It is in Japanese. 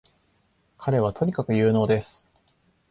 彼はとにかく有能です